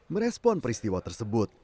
merespon peristiwa tersebut